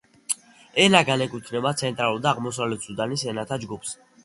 ენა განეკუთვნება ცენტრალურ და აღმოსავლეთ სუდანის ენათა ჯგუფს.